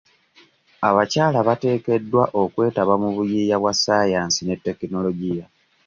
Abakyala bateekeddwa okwetaba mu buyiiya bwa sayansi ne tekinologiya .